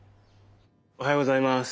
おはようございます。